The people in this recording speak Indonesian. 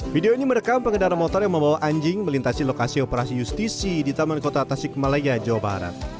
video ini merekam pengendara motor yang membawa anjing melintasi lokasi operasi justisi di taman kota tasik malaya jawa barat